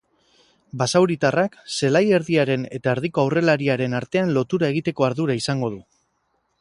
Basauritarrak zelai erdiaren eta erdiko aurrelariaren artean lotura egiteko ardura izango du.